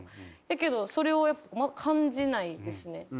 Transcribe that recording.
だけどそれを感じないですね。